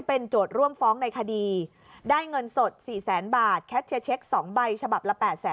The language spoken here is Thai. เป็นโจทย์ร่วมฟ้องในคดีได้เงินสด๔๐๐๐๐๐บาท๒ใบฉบับละ